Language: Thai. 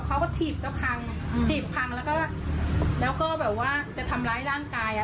เขาก็ถีบเฉพาะครั้งอืมถีบครั้งแล้วก็แล้วก็แบบว่าจะทำร้ายร่างกายอ่ะ